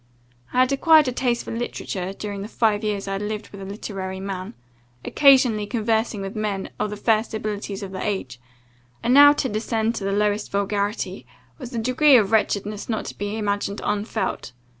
I had acquired a taste for literature, during the five years I had lived with a literary man, occasionally conversing with men of the first abilities of the age; and now to descend to the lowest vulgarity, was a degree of wretchedness not to be imagined unfelt.